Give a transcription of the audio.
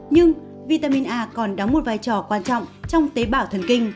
nhưng vitamin a còn đóng một vai trò quan trọng trong tế bào thần kinh